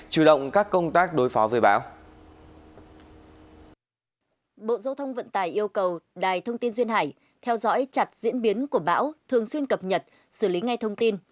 chủ động các công tác đối phó với bão